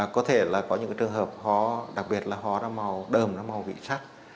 có thể là có những trường hợp khó đặc biệt là khó ra màu đờm ra màu vị sắc